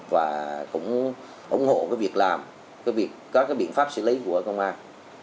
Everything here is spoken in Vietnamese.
và cũng ủng hộ việc làm các biện pháp xử lý của công an